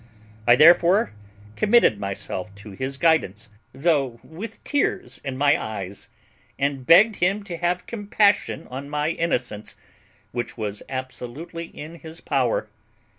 I therefore committed myself to his guidance, though with tears in my eyes, and begged him to have compassion on my innocence, which was absolutely in his power.